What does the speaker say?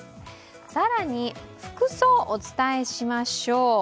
更に服装、お伝えしましょう。